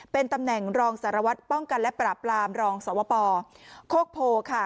เป็นตำแหน่งรองสารวัตรป้องกันและปราบปรามรองสวปโคกโพค่ะ